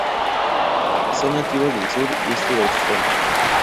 Son nativas del sur y este de Australia.